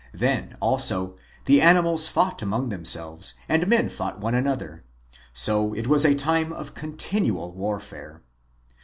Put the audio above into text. Then, also, the animals fought among them selves and men fought one another. So it was a time of continual warfare.